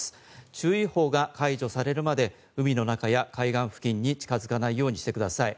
注意報が解除されるまで海の中や海岸付近に近づかないようにしてください。